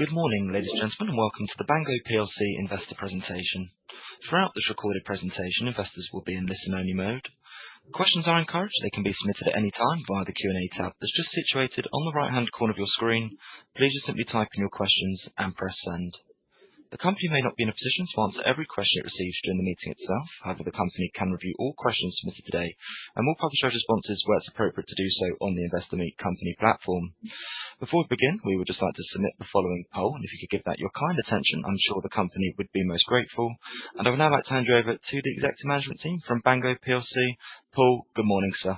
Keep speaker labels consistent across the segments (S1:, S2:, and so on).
S1: Good morning, ladies and gentlemen, and welcome to the Bango PLC investor presentation. Throughout this recorded presentation, investors will be in listen-only mode. Questions are encouraged. They can be submitted at any time via the Q&A tab that is just situated on the right-hand corner of your screen. Please just simply type in your questions and press send. The company may not be in a position to answer every question it receives during the meeting itself. However, the company can review all questions submitted today, and we will publish our responses where it is appropriate to do so on the Investor Meet Company platform. Before we begin, we would just like to submit the following poll, and if you could give that your kind attention, I am sure the company would be most grateful. I would now like to hand you over to the executive management team from Bango PLC. Paul, good morning, sir.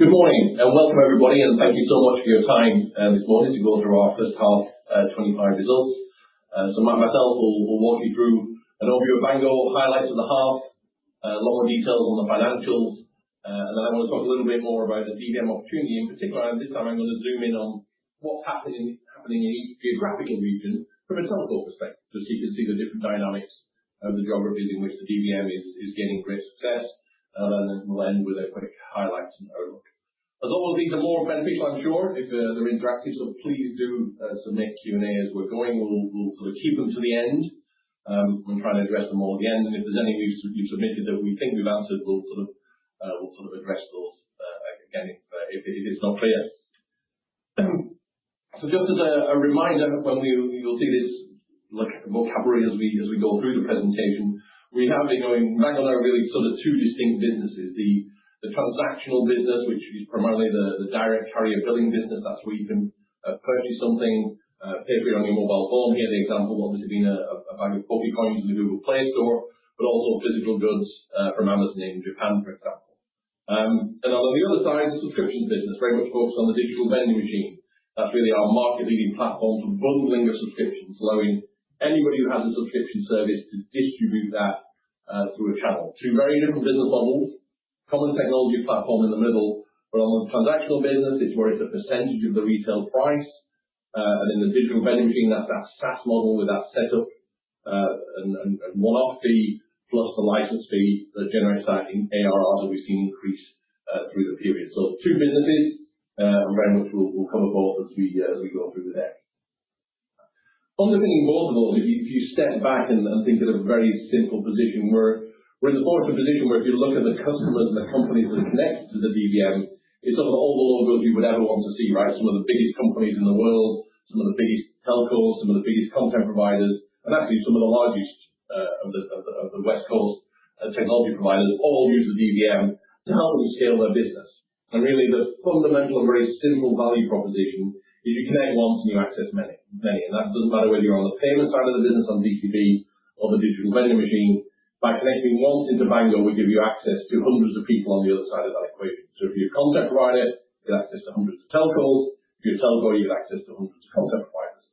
S2: Good morning, and welcome everybody, and thank you so much for your time this morning to go through our first half 2025 results. Myself, we will walk you through an overview of Bango, highlights of the half, a lot more details on the financials, and then I want to talk a little bit more about the DVM opportunity in particular. This time I am going to zoom in on what is happening in each geographic region from a telco perspective. As you can see, the different dynamics of the geographies in which the DVM is gaining great success, and then we will end with a quick highlights and overlook. As always, these are more beneficial, I am sure if they are interactive, so please do submit Q&A as we are going, and we will keep them till the end. We will try and address them all at the end. If there is any you submitted that we think we have answered, we will address those again if it is not clear. Just as a reminder, when you will see this vocabulary as we go through the presentation, we have been going back on our really two distinct businesses, the transactional business, which is primarily the direct carrier billing business. That is where you can purchase something, pay for it on your mobile phone. Here, the example obviously being a bag of popcorn using the Google Play Store, but also physical goods from Amazon in Japan, for example. On the other side, the subscription business, very much focused on the Digital Vending Machine. That is really our market-leading platform for bundling of subscriptions, allowing anybody who has a subscription service to distribute that through a channel. Two very different business models, common technology platform in the middle, but on the transactional business, it's where it's a percentage of the retail price. In the Digital Vending Machine, that's that SaaS model with that setup and one-off fee plus the license fee that generates that ARR that we've seen increase through the period. Two businesses, and very much we'll cover both as we go through the deck. Other thing involved in all of it, if you step back and think of a very simple position where we're in the fortunate position where if you look at the customers and the companies that connect to the DVM, it's sort of all the logos you would ever want to see, right? You can see there the speed and scale is really how we've been differentiating, especially on the DVM side of the business, where we can launch services quicker than anybody else in the market. Really the fundamental and very simple value proposition is you connect once and you access many. That doesn't matter whether you're on the payment side of the business on DCB or the Digital Vending Machine. By connecting once into Bango, we give you access to hundreds of people on the other side of that equation. If you're a content provider, you get access to hundreds of telcos. If you're a telco, you get access to hundreds of content providers.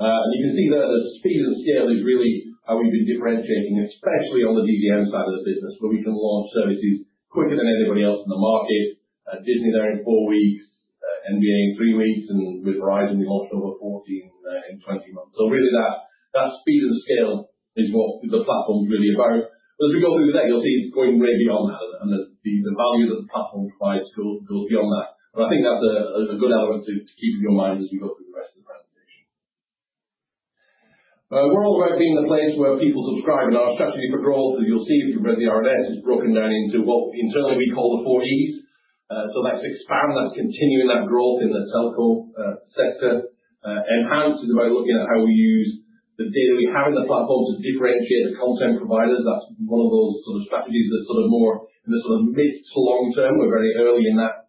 S2: You can see there the speed and scale is really how we've been differentiating, especially on the DVM side of the business, where we can launch services quicker than anybody else in the market. Disney there in four weeks, NBA in three weeks, and with Verizon, we launched over 14 in 20 months. Really that speed and scale is what the platform is really about. As we go through the deck, you'll see it's going way beyond that, and the value that the platform provides goes beyond that. I think that's a good element to keep in your mind as we go through the rest of the presentation. We're all about being the place where people subscribe, and our strategy for growth, as you'll see if you've read the RNS, is broken down into what internally we call the four E's. That's expand, that's continuing that growth in the telco sector. Enhance is about looking at how we use the data we have in the platform to differentiate the content providers. That's one of those strategies that's more in the mid to long-term. We're very early in that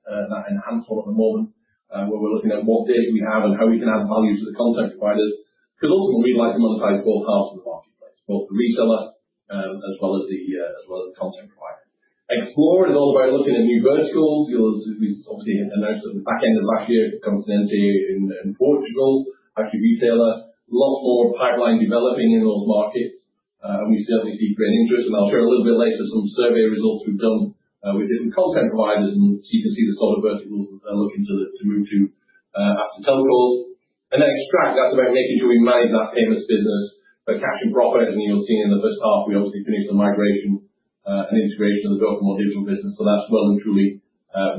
S2: enhancement at the moment, where we're looking at what data we have and how we can add value to the content providers. Ultimately, we'd like to monetize both halves of the marketplace, both the reseller as well as the content provider. Explore is all about looking at new verticals. We obviously announced at the back end of last year a company in Portugal, actually retailer, lots more pipeline developing in all the markets, and we certainly see great interest. I'll share a little bit later some survey results we've done with different content providers, and you can see the sort of verticals we're looking to move to after telcos. Then extract, that's about making sure we manage that payments business. Cash and profit, as you'll have seen in the first half, we obviously finished the migration and integration of the DOCOMO Digital business. That's well and truly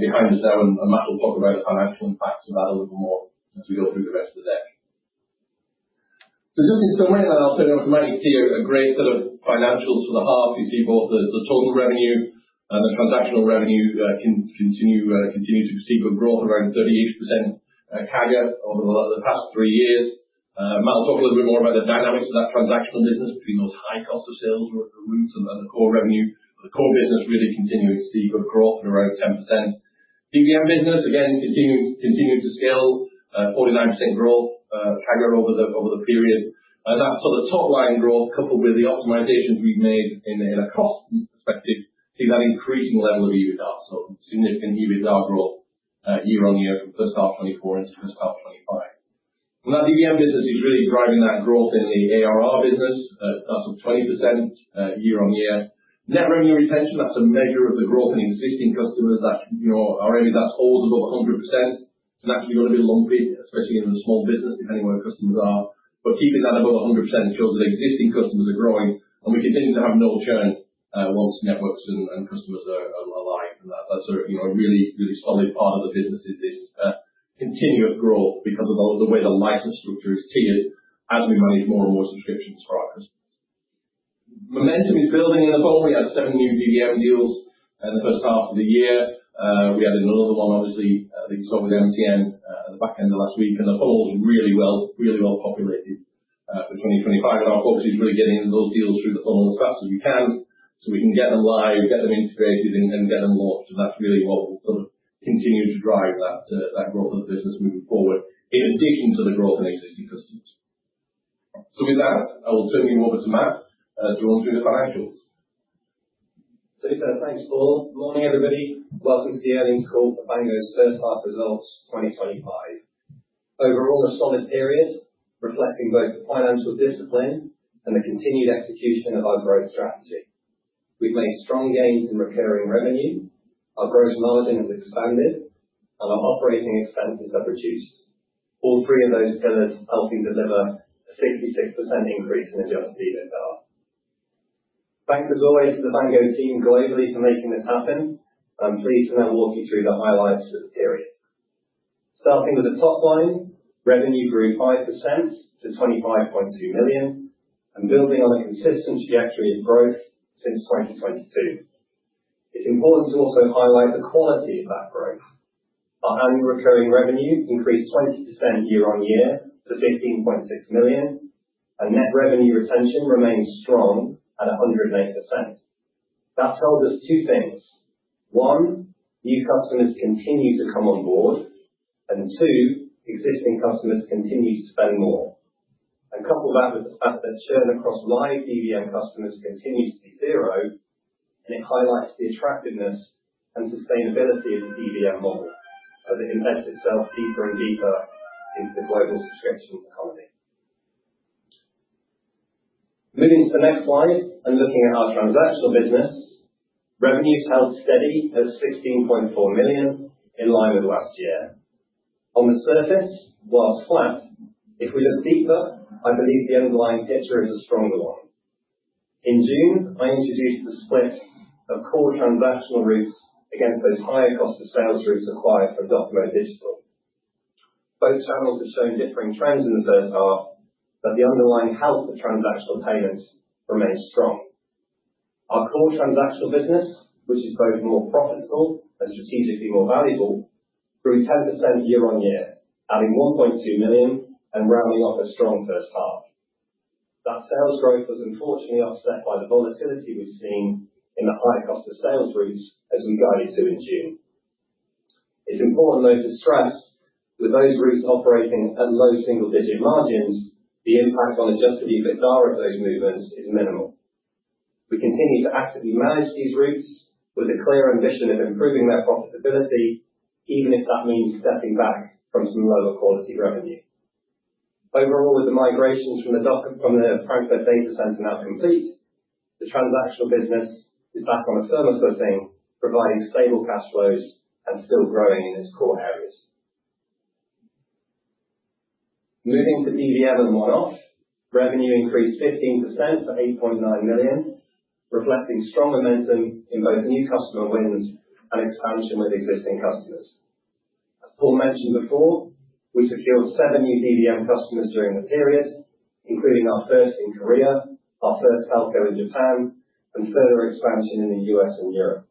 S2: behind us now, and Matt will talk about the financial impacts of that a little more as we go through the rest of the deck. Just in summary then, I'll say that we're making here a great set of financials for the half. You see both the total revenue, the transactional revenue continue to see good growth around 38% CAGR over the past three years. Matt will talk a little bit more about the dynamics of that transactional business between those high cost of sales roots and the core revenue. The core business really continuing to see good growth at around 10%. DVM business, again, continuing to scale, 49% growth, CAGR over the period. That top line growth, coupled with the optimizations we've made in a cost perspective, see that increasing level of EBITDA. Significant EBITDA growth year-over-year from first half 2024 into first half 2025. That DVM business is really driving that growth in the ARR business. That's up 20% year-over-year. Net Revenue Retention, that's a measure of the growth in existing customers that's always above 100%. It's naturally going to be lumpy, especially in a small business, depending where the customers are. Keeping that above 100% shows that existing customers are growing, and we continue to have no churn once networks and customers are live. That's a really solid part of the business is this continuous growth because of the way the license structure is tiered as we manage more and more subscription subscribers. Momentum is building in the funnel. We had seven new DVM deals in the first half of the year. We added another one, obviously, that you saw with MTN at the back end of last week, and the funnel is really well populated for 2025. Our focus is really getting those deals through the funnel as fast as we can so we can get them live, get them integrated, and get them launched. That's really what will continue to drive that growth of the business moving forward in addition to the growth in existing customers. With that, I will turn you over to Matt to run through the financials.
S3: Thanks, Paul. Morning, everybody. Welcome to the earnings call for Bango's first half results 2025. Overall, a solid period reflecting both the financial discipline and the continued execution of our growth strategy. We've made strong gains in recurring revenue. Our gross margin has expanded, our operating expenses have reduced. All three of those pillars helping deliver a 66% increase in adjusted EBITDA. Thanks as always to the Bango team globally for making this happen. I'm pleased to now walk you through the highlights of the period. Starting with the top line, revenue grew 5% to $25.2 million, building on a consistent trajectory of growth since 2022. It's important to also highlight the quality of that growth. Our annual recurring revenue increased 20% year-on-year to $15.6 million, Net Revenue Retention remains strong at 108%. That tells us two things. One, new customers continue to come on board, two, existing customers continue to spend more. Couple that with the fact that churn across live DVM customers continues to be zero, it highlights the attractiveness and sustainability of the DVM model as it embeds itself deeper and deeper into the global subscription economy. Moving to the next slide looking at our transactional business. Revenue held steady at $16.4 million, in line with last year. On the surface, while flat, if we look deeper, I believe the underlying picture is a stronger one. In June, I introduced the split of core transactional routes against those higher cost of sales routes acquired from DOCOMO Digital. Both channels have shown differing trends in the first half, the underlying health of transactional payments remains strong. Our core transactional business, which is both more profitable and strategically more valuable, grew 10% year-on-year, adding $1.2 million rounding off a strong first half. That sales growth was unfortunately offset by the volatility we've seen in the higher cost of sales routes as we guided to in June. It's important, though, to stress with those routes operating at low single-digit margins, the impact on adjusted EBITDA of those movements is minimal. We continue to actively manage these routes with a clear ambition of improving their profitability, even if that means stepping back from some lower quality revenue. Overall, with the migrations from the Frankfurt data center now complete, the transactional business is back on a firmer footing, providing stable cash flows still growing in its core areas. Moving to DVM and one-offs. Revenue increased 15% to $8.9 million, reflecting strong momentum in both new customer wins and expansion with existing customers. As Paul mentioned before, we secured seven new DVM customers during the period, including our first in Korea, our first telco in Japan, further expansion in the U.S. and Europe.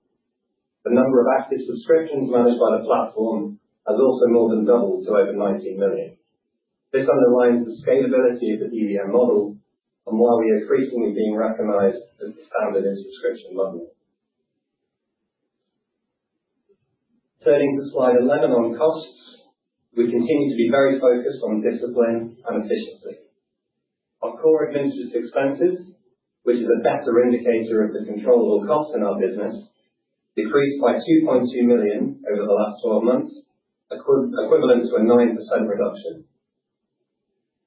S3: The number of active subscriptions managed by the platform has also more than doubled to over 90 million. This underlines the scalability of the DVM model why we are increasingly being recognized as the standard in subscription modeling. Turning to slide 11 on costs. We continue to be very focused on discipline and efficiency. Our core administrative expenses, which is a better indicator of the controllable costs in our business, decreased by $2.2 million over the last 12 months, equivalent to a 9% reduction.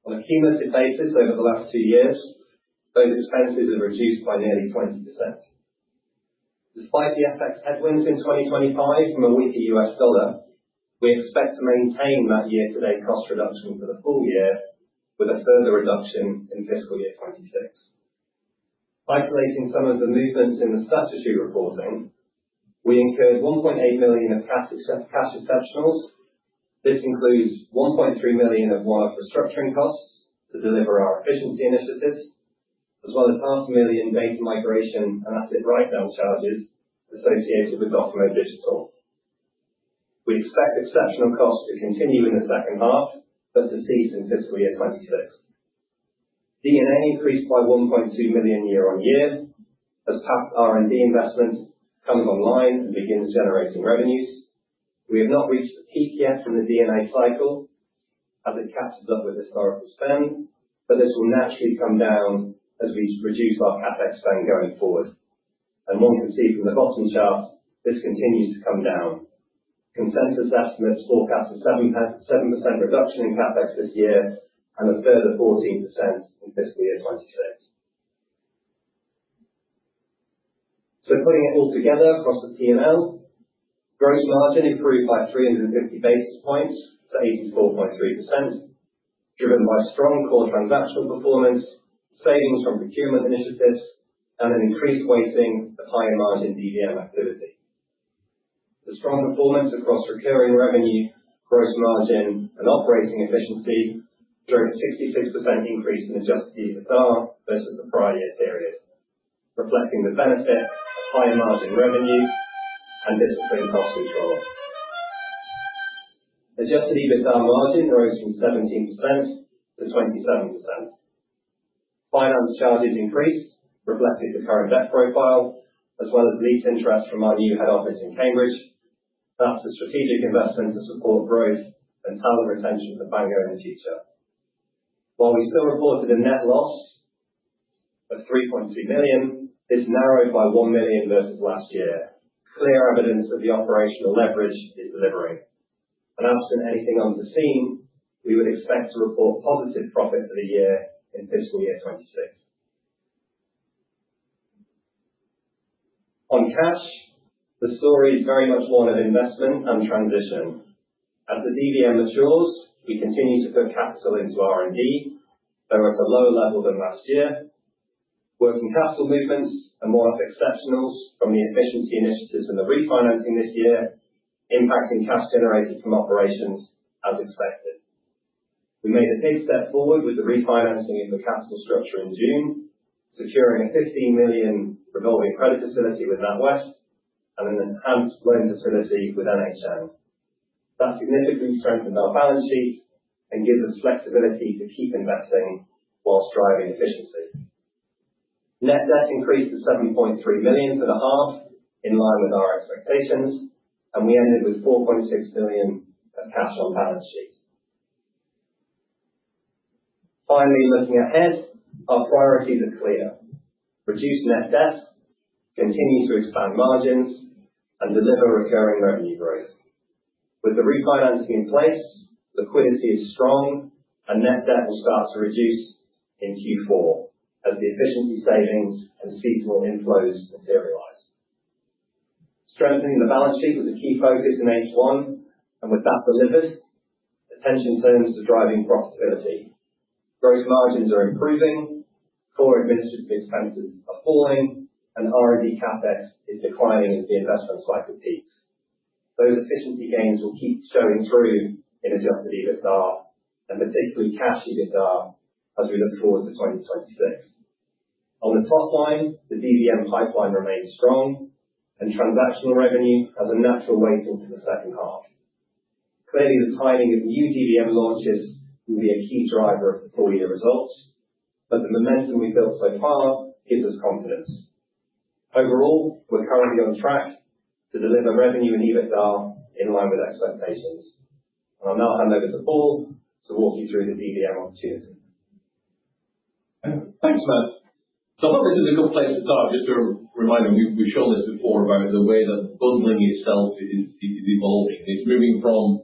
S3: On a cumulative basis over the last 2 years, those expenses have reduced by nearly 20%. Despite the FX headwinds in 2025 from a weaker US dollar, we expect to maintain that year-to-date cost reduction for the full year with a further reduction in fiscal year 2026. Isolating some of the movements in the statutory reporting, we incurred $1.8 million of cash exceptionals. This includes $1.3 million of one-off restructuring costs to deliver our efficiency initiatives, as well as $0.5 million data migration and asset write-down charges associated with DOCOMO Digital. We expect exceptional costs to continue in the second half, but to cease in fiscal year 2026. D&A increased by $1.2 million year-over-year as past R&D investment comes online and begins generating revenues. We have not reached the peak yet from the D&A cycle as it catches up with historical spend, but this will naturally come down as we reduce our CapEx spend going forward. One can see from the bottom chart, this continues to come down. Consensus estimates forecast a 7% reduction in CapEx this year and a further 14% in fiscal year 2026. Putting it all together across the P&L, gross margin improved by 350 basis points to 84.3%. Driven by strong core transactional performance, savings from procurement initiatives, and an increased weighting of higher margin DVM activity. The strong performance across recurring revenue, gross margin, and operating efficiency drove a 66% increase in Adjusted EBITDA versus the prior year period, reflecting the benefit of higher margin revenue and disciplined cost control. Adjusted EBITDA margin rose from 17%-27%. Finance charges increased, reflecting the current debt profile as well as lease interest from our new head office in Cambridge. That's a strategic investment to support growth and talent retention for Bango in the future. While we still reported a net loss of $3.2 million, this narrowed by $1 million versus last year. Clear evidence that the operational leverage is delivering. Absent anything unforeseen, we would expect to report positive profit for the year in fiscal year 2026. On cash, the story is very much one of investment and transition. As the DVM matures, we continue to put capital into R&D, though at a lower level than last year. Working capital movements are more exceptionals from the efficiency initiatives and the refinancing this year, impacting cash generated from operations as expected. We made a big step forward with the refinancing of the capital structure in June, securing a $15 million revolving credit facility with NatWest and an enhanced loan facility with NHN. That significantly strengthened our balance sheet and gives us flexibility to keep investing whilst driving efficiency. Net debt increased to $7.3 million for the half, in line with our expectations, and we ended with $4.6 million of cash on balance sheet. Finally, looking ahead, our priorities are clear. Reduce net debt, continue to expand margins, and deliver recurring revenue growth. With the refinancing in place, liquidity is strong and net debt will start to reduce in Q4 as the efficiency savings and seasonal inflows materialize. Strengthening the balance sheet was a key focus in H1, and with that delivered, attention turns to driving profitability. Gross margins are improving, core administrative expenses are falling, and R&D CapEx is declining as the investment cycle peaks. Those efficiency gains will keep showing through in adjusted EBITDA, and particularly cash EBITDA, as we look towards 2026. On the top line, the DVM pipeline remains strong and transactional revenue has a natural weighting to the second half. The timing of new DVM launches will be a key driver of the full year results, but the momentum we've built so far gives us confidence. We're currently on track to deliver revenue and EBITDA in line with expectations. I'll now hand over to Paul to walk you through the DVM opportunity.
S2: Thanks, Matt. I thought this is a good place to start. Just a reminder, we've shown this before about the way that bundling itself is evolving. It's moving from,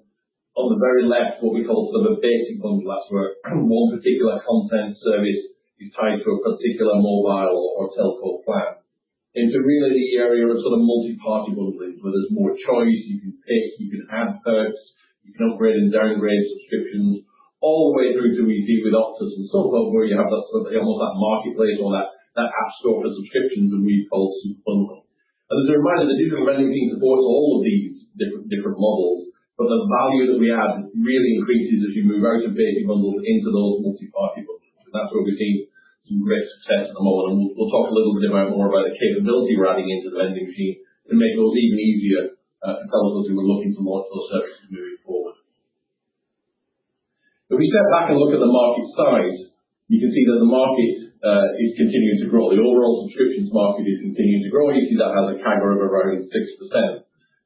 S2: on the very left, what we call sort of a basic bundle. That's where one particular content service is tied to a particular mobile or telco plan, into really the area of sort of multi-party bundling, where there's more choice. You can pick, you can add perks, you can upgrade and downgrade subscriptions, all the way through to what you see with Optus and Telstra, where you have almost that marketplace or that app store for subscriptions that we call Super Bundling. As a reminder, the Digital Vending Machine supports all of these different models, but the value that we add really increases as you move out of basic bundles into those multi-party bundles. That's where we've seen some great success at the moment, and we'll talk a little bit more about the capability we're adding into the vending machine to make it look even easier for telcos who are looking to launch those services moving forward. If we step back and look at the market size, you can see that the market is continuing to grow. The overall subscriptions market is continuing to grow, and you see that has a CAGR of around 6%.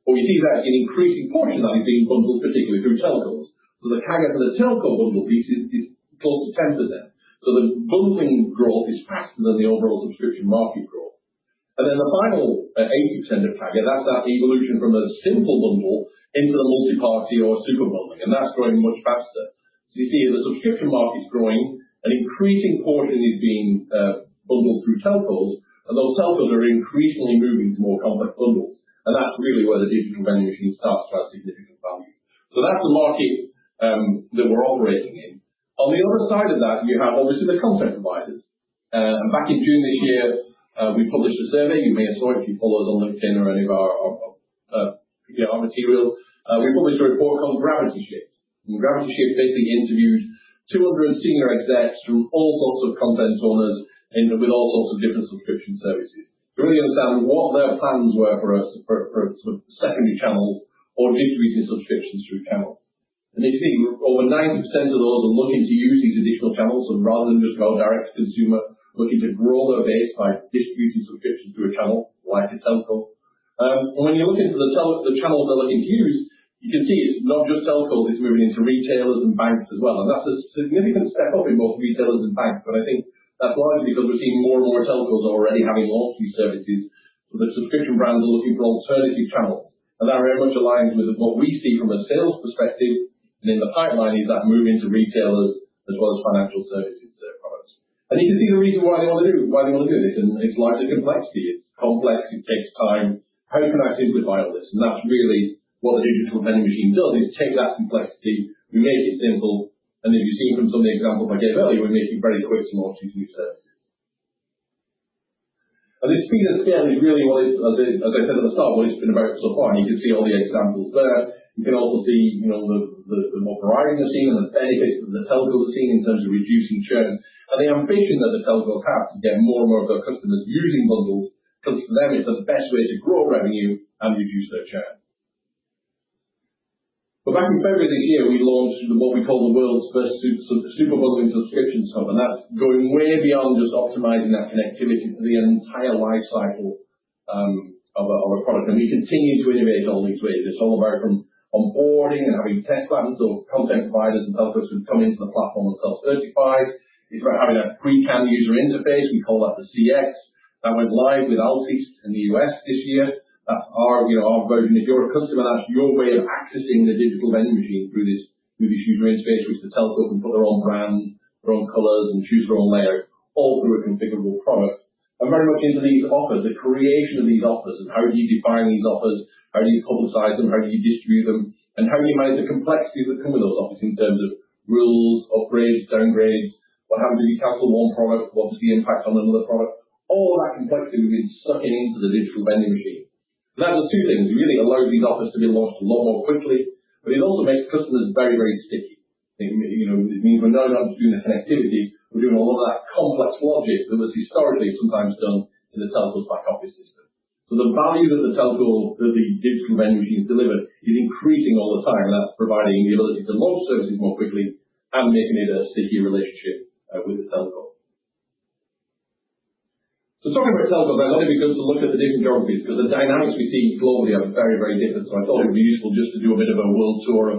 S2: We see that an increasing portion of that is being bundled, particularly through telcos. The CAGR for the telco bundle piece is close to 10% there. The bundling growth is faster than the overall subscription market growth. The final 8% of CAGR, that's that evolution from a simple bundle into the multi-party or Super Bundling, and that's growing much faster. You see the subscription market's growing, an increasing portion is being bundled through telcos, and those telcos are increasingly moving to more complex bundles, and that's really where the Digital Vending Machine starts to add significant value. That's the market that we're operating in. On the other side of that, you have obviously the content providers. Back in June this year, we published a survey. You may have saw it if you follow us on LinkedIn or any of our materials. We published a report called Gravity Shift, Gravity Shift basically interviewed 200 senior execs from all sorts of content owners and with all sorts of different subscription services to really understand what their plans were for secondary channels or distributing subscriptions through channels. As you see, over 90% of those are looking to use these additional channels. Rather than just go direct to consumer, looking to grow their base by distributing subscriptions through a channel like a telco. When you look into the channels they're looking to use, you can see it's not just telcos, it's moving into retailers and banks as well, that's a significant step up in both retailers and banks. I think that's largely because we're seeing more and more telcos already having all these services. The subscription brands are looking for alternative channels, that very much aligns with what we see from a sales perspective and in the pipeline, is that move into retailers as well as financial services. You can see the reason why they want to do this, it's largely complexity. It's complex, it takes time. How can I simplify all this? That's really what the Digital Vending Machine does, is take that complexity, we make it simple, as you've seen from some of the examples I gave earlier, we make it very quick and easy to serve. The speed and scale is really what, as I said at the start, what it's been about so far. You can see all the examples there. You can also see the overriding machine and the benefits that the telco has seen in terms of reducing churn. The ambition that the telcos have to get more and more of their customers using bundles, because for them, it's the best way to grow revenue and reduce their churn. Back in February this year, we launched what we call the world's first Super Bundling subscriptions hub, that's going way beyond just optimizing that connectivity to the entire life cycle of a product. We continue to innovate all these ways. It's all about from onboarding and having test buttons, so content providers and telcos can come into the platform and self-certify. It's about having a pre-canned user interface. We call that the CX. That went live with Altice in the U.S. this year. That's our version. If you're a customer, that's your way of accessing the Digital Vending Machine through this user interface, which the telco can put their own brands, their own colors, choose their own layout, all through a configurable product. Very much into these offers, the creation of these offers, how do you define these offers? How do you publicize them? How do you distribute them? How do you manage the complexities that come with those offers in terms of rules, upgrades, downgrades? What happens if you cancel one product? What is the impact on another product? All of that complexity we've been sucking into the Digital Vending Machine. That does two things. It really allows these offers to be launched a lot more quickly, but it also makes customers very sticky. It means we're not just doing the connectivity, we're doing a lot of that complex logic that was historically sometimes done in the telco's back office system. The value that the Digital Vending Machine has delivered is increasing all the time, that's providing the ability to launch services more quickly and making it a sticky relationship with the telco. Talking about telcos, I thought it'd be good to look at the different geographies, because the dynamics we see globally are very different. I thought it would be useful just to do a bit of a world tour of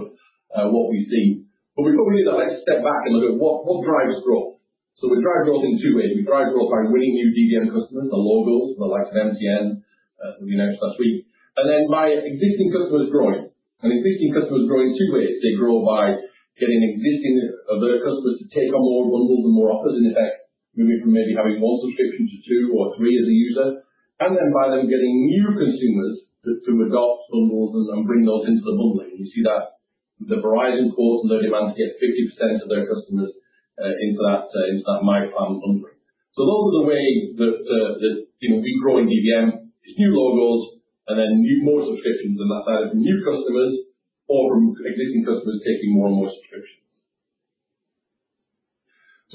S2: what we see. We probably need to step back and look at what drives growth. We drive growth in two ways. We drive growth by winning new DVM customers, the logos, the likes of MTN, who we announced last week, and then by existing customers growing. Existing customers grow in two ways. They grow by getting existing customers to take on more bundles and more offers. In effect, moving from maybe having one subscription to two or three as a user, and then by them getting newer consumers to adopt bundles and bring those into the bundling. You see that the Verizon quarter load demand to get 50% of their customers into that My Verizon bundling. Those are the way that we grow in DVM, is new logos and then more subscriptions on that side, from new customers or from existing customers taking more and more subscriptions.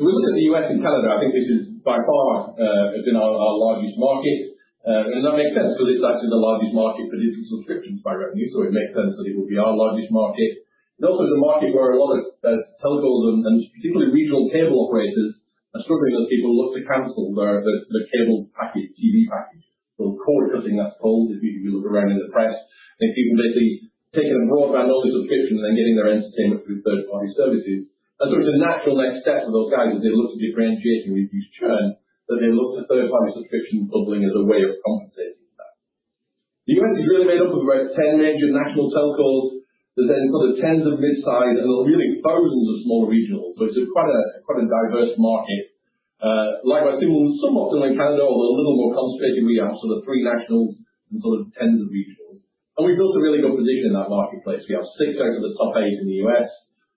S2: We look at the U.S. and Canada, I think this has by far has been our largest market. That makes sense because it's actually the largest market for digital subscriptions by revenue, so it makes sense that it would be our largest market. Also it's a market where a lot of telecoms, and particularly regional cable operators, are struggling as people look to cancel their cable package, TV package. Cord-cutting, that's called, if you look around in the press, it's people basically taking a broadband-only subscription and then getting their entertainment through third-party services. It's a natural next step for those guys as they look to differentiate and reduce churn, that they look to third-party subscription bundling as a way of compensating for that. The U.S. is really made up of about 10 major national telcos. There's tens of midsize and there are really thousands of smaller regionals. It's quite a diverse market. Like I said, somewhat similar to Canada, although a little more concentrated where you have three nationals and tens of regionals. We've built a really good position in that marketplace. We have six out of the top eight in the U.S.,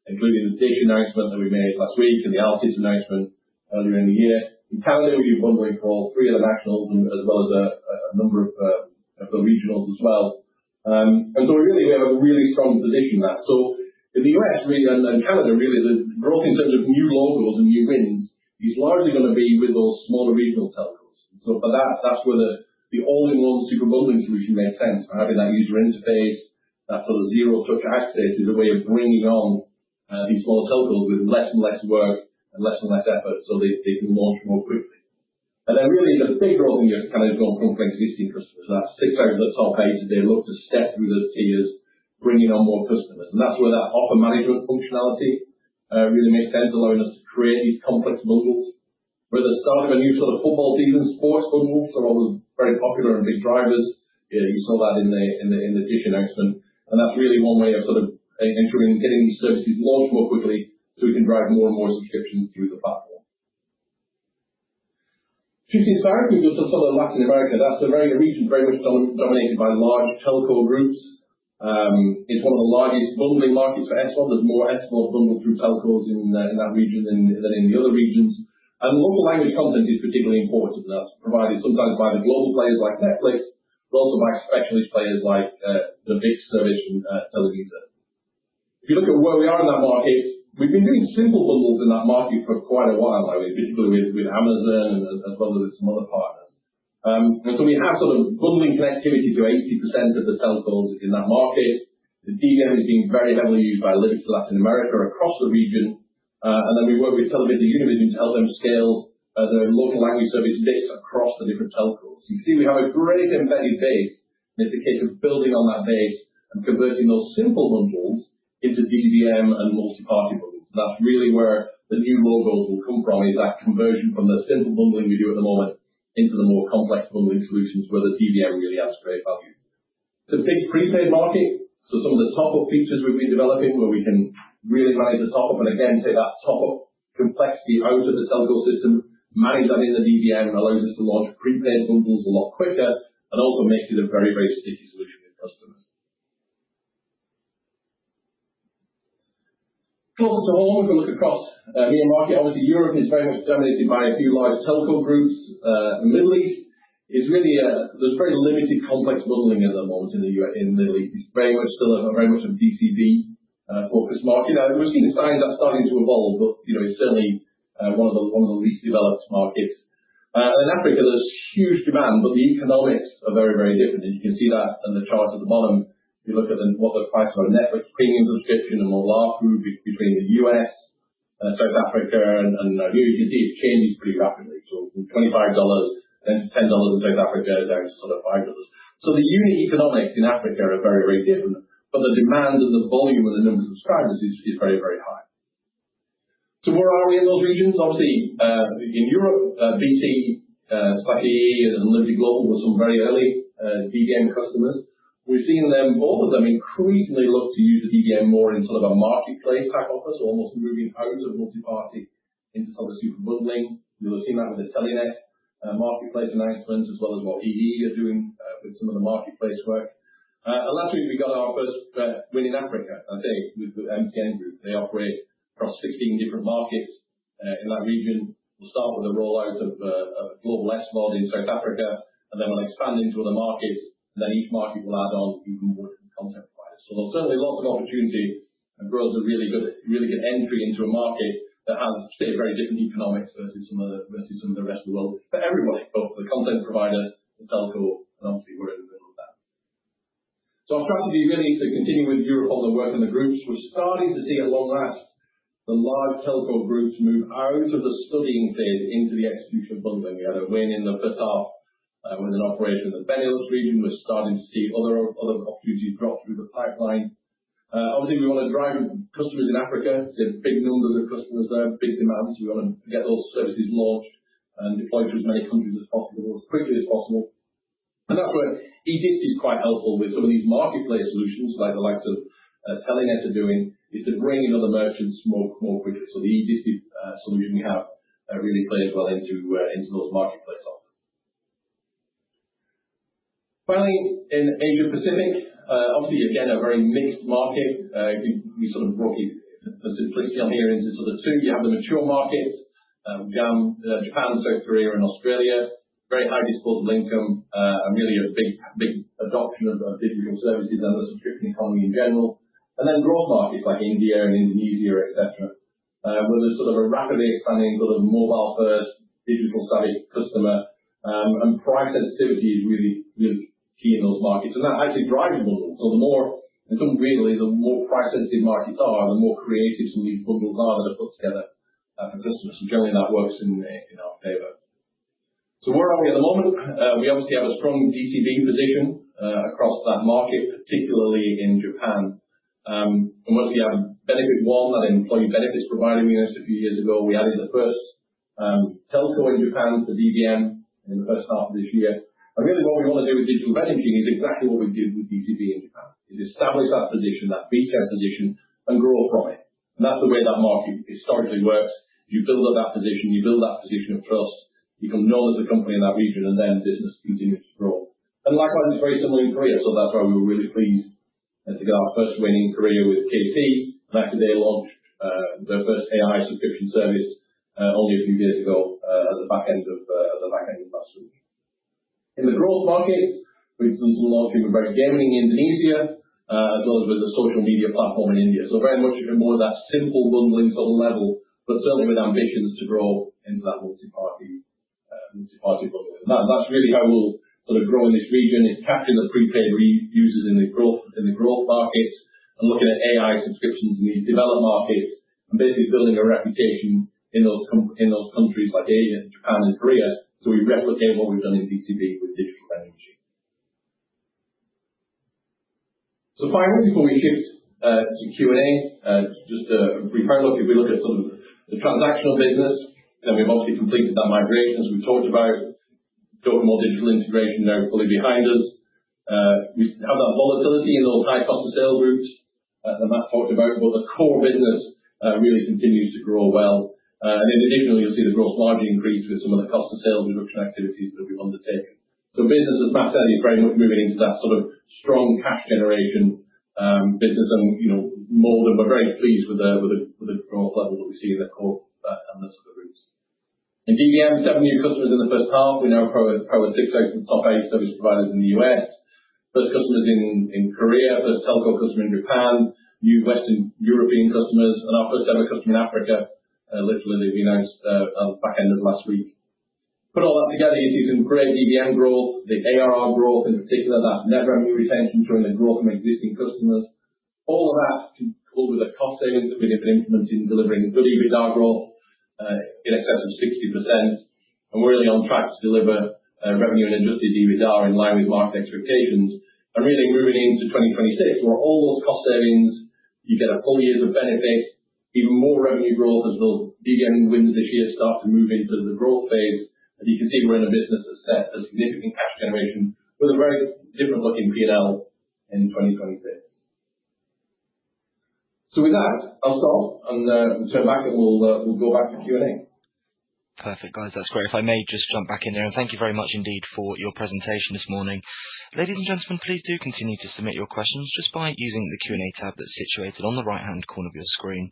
S2: including the DISH announcement that we made last week and the Altice announcement earlier in the year. In Canada, we do bundling for three of the nationals, as well as a number of the regionals as well. Really, we have a really strong position there. In the U.S. and Canada, really, the growth in terms of new logos and new wins is largely going to be with those smaller regional telcos. For that's where the all-in-one Super Bundling solution makes sense for having that user interface. That zero-touch access is a way of bringing on these small telcos with less and less work and less and less effort so they can launch more quickly. Really the big growth in Canada is going to come from existing customers. That's six out of the top eight as they look to step through those tiers, bringing on more customers. That's where that offer management functionality really makes sense, allowing us to create these complex bundles. We're at the start of a new football season, sports bundles are always very popular and big drivers. You saw that in the DISH announcement, and that's really one way of getting these services launched more quickly so we can drive more and more subscriptions through the platform. Shifting south, if we go to Latin America, that's a region very much dominated by large telco groups. It's one of the largest bundling markets for SVOD. There's more SVOD bundled through telcos in that region than in the other regions. Local language content is particularly important, and that's provided sometimes by the global players like Netflix, but also by specialist players like the ViX service from Televisa. If you look at where we are in that market, we've been doing simple bundles in that market for quite a while, haven't we? Particularly with Amazon as well as some other partners. We have bundling connectivity to 80% of the telcos in that market. The DVM is being very heavily used by Liberty Latin America across the region. We work with TelevisaUnivision to help them scale their local language service ViX across the different telcos. You can see we have a great embedded base, and it's a case of building on that base and converting those simple bundles into DVM and multi-party bundles. That's really where the new logos will come from, is that conversion from the simple bundling we do at the moment into the more complex bundling solutions where the DVM really adds great value. It's a big prepaid market, so some of the top-up features we've been developing, where we can really manage the top-up, and again, take that top-up complexity out of the telco system, manage that in the DVM, and allows us to launch prepaid bundles a lot quicker and also makes it a very, very sticky solution with customers. If we look across EMEA market, obviously Europe is very much dominated by a few large telco groups. In Middle East, there's very limited complex bundling at the moment in the Middle East. It's very much still a B2C focused market. We're seeing signs that starting to evolve, but it's certainly one of the least developed markets. In Africa, there's huge demand, but the economics are very, very different, and you can see that in the chart at the bottom. If you look at what the price of a Netflix premium subscription and mobile app between the U.S. and South Africa, and here you can see it changes pretty rapidly. From $25 then to $10 in South Africa, down to sort of $5. The unit economics in Africa are very, very different, but the demand and the volume and the number of subscribers is very, very high. Where are we in those regions? Obviously, in Europe, BT, Safaricom, and Liberty Global were some very early DVM customers. We've seen both of them increasingly look to use the DVM more in sort of a marketplace type offer, so almost moving out of multi-party into sort of Super Bundling. We've seen that with Telenet, marketplace announcements, as well as what EE are doing with some of the marketplace work. Last week we got our first win in Africa, I'd say, with MTN Group. They operate across 16 different markets in that region. Then we'll start with the rollout of a global X mod in South Africa. Then we'll expand into other markets. Then each market will add on even more content providers. There'll certainly lots of opportunity and growth, a really good entry into a market that has, I'd say, very different economics versus some of the rest of the world for everybody, both for the content provider, the telco, and obviously we're in the middle of that. On track to be ready to continue with Europol, their work in the groups. We're starting to see, along with that, the large telco groups move out of the studying phase into the execution bundling. We had a win in the first half with an operation in the Benelux region. We're starting to see other opportunities drop through the pipeline. Obviously, we want to drive customers in Africa, see big numbers of customers there, big demands. We want to get those services launched and deployed to as many countries as possible, as quickly as possible. That's where eGifter is quite helpful with some of these marketplace solutions like the likes of Telenet are doing, is to bring in other merchants more quickly. The eGifter solution we have really plays well into those marketplace offers. Finally, in Asia Pacific, obviously, again, a very mixed market. We sort of roughly split it down here into two. You have the mature markets, Japan, South Korea, and Australia, very highly disposable income, and really a big adoption of digital services and the subscription economy in general. Then growth markets like India and Indonesia, et cetera, where there's sort of a rapidly expanding mobile-first digital-savvy customer. Price sensitivity is really key in those markets, and that actually drives the bundles. In some ways, really, the more price-sensitive markets are, the more creative some of these bundles are that are put together for customers. Generally, that works in our favor. Where are we at the moment? We obviously have a strong B2C position across that market, particularly in Japan, and we have Benefit One, that employee benefits provider we announced a few years ago. We added the first telco in Japan to DVM in the first half of this year. Really what we want to do with Digital Vending Machine is exactly what we did with B2C in Japan, is establish that position, that B2C position, and grow from it. That's the way that market historically works. You build up that position, you build that position of trust, you become known as a company in that region. Then business continues to grow. Likewise, it's very similar in Korea. That's why we were really pleased to get our first win in Korea with KT. That today launched their first AI subscription service only a few years ago at the back end of that solution. In the growth markets, we've done some launching with great gaming in Indonesia, as well as with a social media platform in India. Very much even more of that simple bundling sort of level, but certainly with ambitions to grow into that multi-party bundle. That's really how we'll sort of grow in this region, is capturing the prepaid users in the growth markets and looking at AI subscriptions in these developed markets, and basically building a reputation in those countries like Asia, Japan, and Korea. We replicate what we've done in B2C with Digital Vending Machines. Finally, before we shift to Q&A, just a brief look. If we look at sort of the transactional business, we've obviously completed that migration, as we talked about. DOCOMO Digital integration now fully behind us. We have that volatility in those high cost of sales groups that Matt talked about, but the core business really continues to grow well. Additionally, you'll see the gross margin increase with some of the cost of sales reduction activities that we've undertaken. Business, as Matt said, is very much moving into that sort of strong cash generation business and more. We're very pleased with the growth level that we see in the core and the sort of groups. In DVM, 7 new customers in the first half. We now partner with 6 out of the top 8 service providers in the U.S. First customers in Korea, first telco customer in Japan, new Western European customers, and our first ever customer in Africa, literally they've been announced back end of last week. Put all that together using great DVM growth, the ARR growth in particular, that Net Revenue Retention showing the growth from existing customers. All of that coupled with the cost savings that we have been implementing, delivering good EBITDA growth in excess of 60%, we're really on track to deliver revenue and adjusted EBITDA in line with market expectations. Really moving into 2026, where all those cost savings You get a full year of benefits, even more revenue growth as those beginning wins this year start to move into the growth phase. As you can see, we're in a business that's set for significant cash generation with a very different looking P&L in 2026. With that, I'll stop and turn back, and we'll go back to Q&A.
S1: Perfect. Guys, that's great. If I may just jump back in there, thank you very much indeed for your presentation this morning. Ladies and gentlemen, please do continue to submit your questions just by using the Q&A tab that's situated on the right-hand corner of your screen.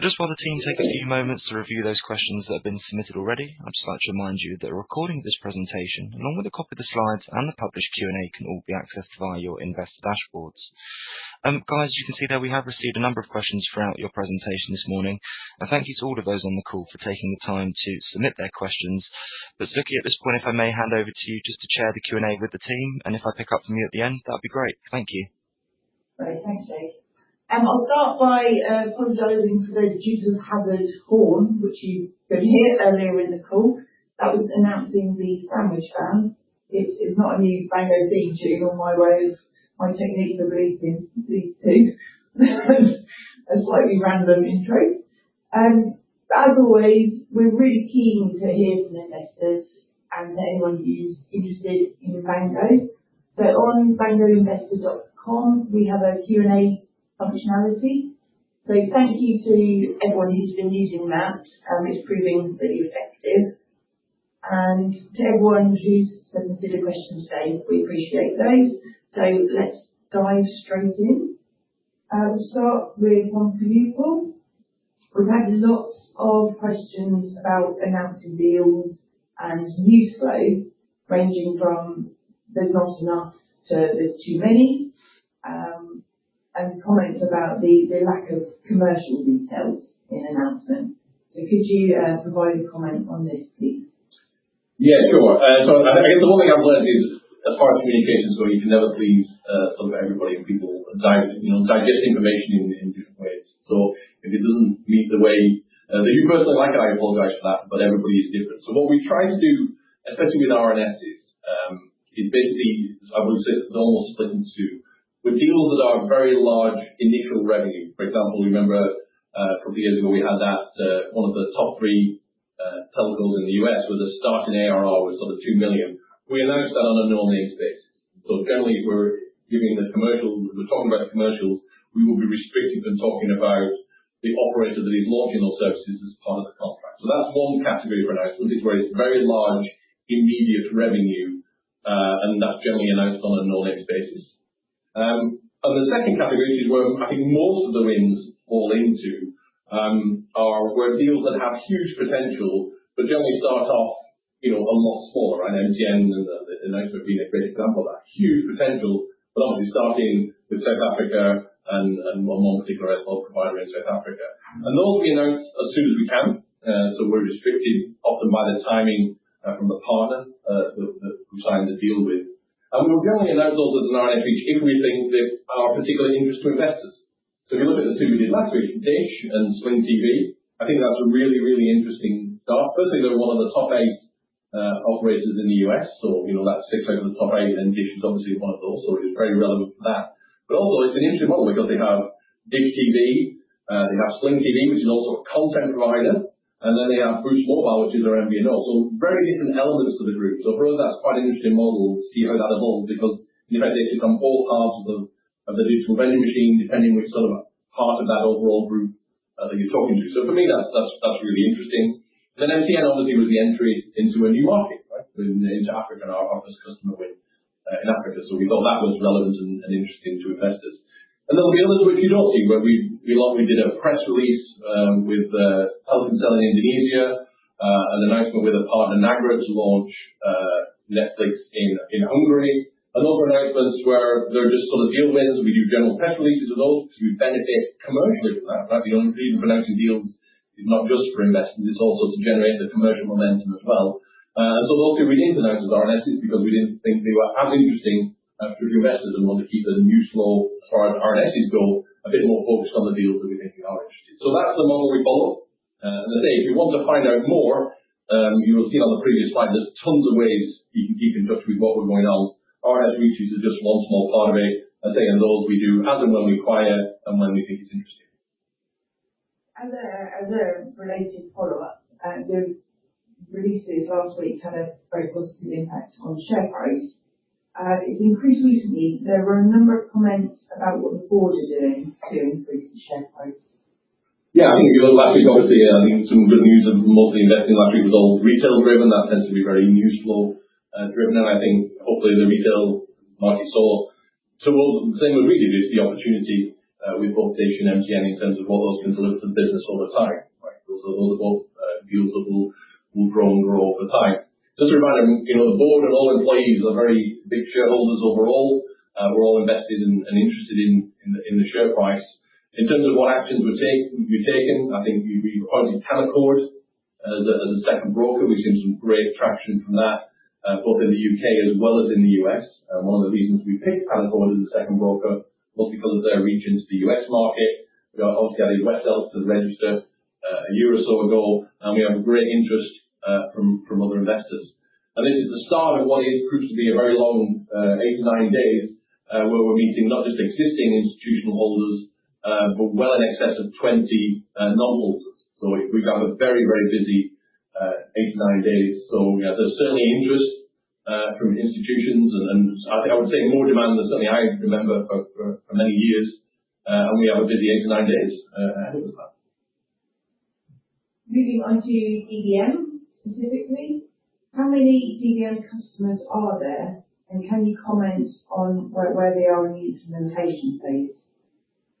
S1: Just while the team take a few moments to review those questions that have been submitted already, I'd just like to remind you that a recording of this presentation, along with a copy of the slides and the published Q&A, can all be accessed via your investor dashboards. Guys, you can see there we have received a number of questions throughout your presentation this morning. Thank you to all of those on the call for taking the time to submit their questions. Sukey, at this point, if I may hand over to you just to chair the Q&A with the team, and if I pick up from you at the end, that'd be great. Thank you.
S4: Great. Thanks, Dave. I'll start by apologizing for those of you who heard the horn, which you may have heard earlier in the call. That was announcing the sandwich van. It is not a new Bango theme tune or my technique of releasing these two as a slightly random intro. As always, we're really keen to hear from investors and anyone who's interested in Bango. On bangoinvestor.com, we have a Q&A functionality. Thank you to everyone who's been using that. It's proving to be effective. To everyone who's submitted questions today, we appreciate those. Let's dive straight in. We'll start with one for you, Paul. We've had lots of questions about announcing deals and news flow, ranging from there's not enough to there's too many, and comments about the lack of commercial details in announcements. Could you provide a comment on this, please?
S2: Yeah, sure. I guess the one thing I've learned is that part of communication is where you can never please everybody, and people digest information in different ways. If it doesn't meet the way that you personally like it, I apologize for that, but everybody is different. What we try to do, especially with RNSs, is basically, I would say, it's almost split in two. With deals that are very large initial revenue, for example, you remember, from a few years ago, we had that one of the top three telecoms in the U.S. with a starting ARR was $2 million. We announced that on a no-name basis. Generally, if we're talking about commercials, we will be restricted from talking about the operator that is launching those services as part of the contract. That's one category of announcement is where it's very large immediate revenue, that's generally announced on a no-name basis. The second category is where I think most of the wins fall into are where deals that have huge potential but generally start off a lot smaller. I know MTN in Nigeria would be a great example of that. Huge potential, but obviously starting with South Africa and one more particular mobile provider in South Africa. Those will be announced as soon as we can. We're restricted often by the timing from the partner that we signed the deal with. We generally announce those as an RNS feature if we think they are of particular interest to investors. If you look at the two we did last week with DISH and Sling TV, I think that was a really interesting start. Firstly, they're one of the top eight operators in the U.S., that six out of the top eight, DISH is obviously one of those. It was very relevant for that. Also, it's an interesting model because they have DISH TV, they have Sling TV, which is also a content provider, they have Boost Mobile, which is their MVNO. Very different elements to the group. For us, that's quite an interesting model to see how that evolves because in effect, they tick on all parts of the Digital Vending Machine, depending which part of that overall group that you're talking to. For me, that's really interesting. MTN, obviously, was the entry into a new market, into Africa and our first customer win in Africa. We thought that was relevant and interesting to investors. There will be others which you don't see, where we did a press release with Telkomsel in Indonesia, an announcement with a partner in Nagra to launch Netflix in Hungary. Those are announcements where they're just deal wins, we do general press releases of those because we benefit commercially from that. The reason for announcing deals is not just for investors, it's also to generate the commercial momentum as well. Those we didn't announce as RNSs because we didn't think they were as interesting for investors and want to keep the news flow as far as RNSs go a bit more focused on the deals that we think are interesting. That's the model we follow. As I say, if you want to find out more, you will have seen on the previous slide, there's tons of ways you can keep in touch with what we're going at. RNS features are just one small part of it. As I say, those we do as and when required and when we think it's interesting.
S4: As a related follow-up, the releases last week had a very positive impact on share price. It increased recently. There were a number of comments about what the board is doing to increase the share price.
S2: Yeah, I think if you look last week, obviously, I think some good news of mostly investing last week was all retail-driven. That tends to be very news flow driven, and I think hopefully the retail market saw, same as we did, is the opportunity with both Dish and MTN in terms of what those can deliver to the business over time, right? Those are both deals that will grow and grow over time. Just a reminder, the board and all employees are very big shareholders overall. We're all invested and interested in the share price. In terms of what actions we've taken, I think we appointed Cavendish as a second broker. We've seen some great traction from that, both in the U.K. as well as in the U.S. One of the reasons we picked Cavendish as a second broker, mostly because of their regions, the U.S. market. We are obviously adding U.S. sales to the register a year or so ago, and we have a great interest from other investors. This is the start of what is proves to be a very long 8 to 9 days, where we're meeting not just existing institutional holders, but well in excess of 20 non-holders. We've got a very busy 8 to 9 days. There's certainly interest from institutions, and I would say more demand than certainly I can remember for many years, and we have a busy 8 to 9 days ahead of us now.
S4: Moving on to DVM specifically, how many DVM customers are there, and can you comment on where they are in the implementation phase?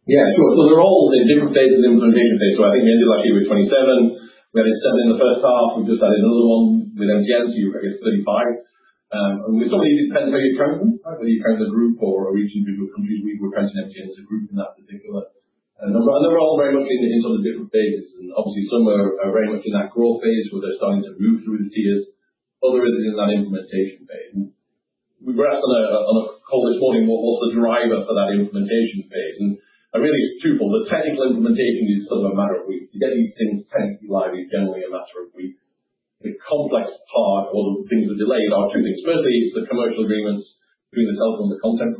S2: Yeah, sure. They're all in different phases of implementation phase. I think we ended last year with 27. We had eight set within the first half. We've just added another one with MTN. I guess 35. It sort of depends where you count from, whether you count a group or a region, country. We were counting MTN as a group in that particular number. They're all very much in sort of different phases. Obviously some are very much in that growth phase where they're starting to move through the tiers. Others are in that implementation phase. We were asked on a call this morning, what's the driver for that implementation phase? Really it's twofold. The technical implementation is sort of a matter of weeks. Getting things technically live is generally a matter of weeks. The complex part or the things that delay it are two things. Firstly, it's the commercial agreements between the telco and the content